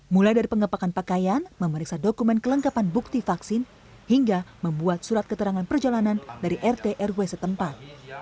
mulai dari pengepakan pakaian memeriksa dokumen kelengkapan bukti vaksin hingga membuat surat keterangan perjalanan dari rt rw setempat